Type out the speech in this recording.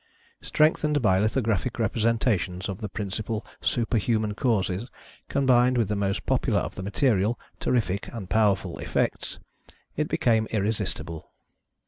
Strengthened by lithographic representations of the prin cipal superhuman causes, combined with the most popular of the material, terrific, and powerful effects, it became irresistible.